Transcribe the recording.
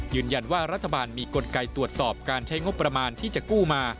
รัฐบาลมีกลไกตรวจสอบการใช้งบประมาณที่จะกู้มา